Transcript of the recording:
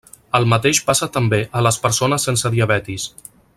El mateix passa també a les persones sense diabetis.